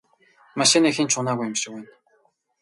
Машиныг хэн ч унаагүй юм шиг байна.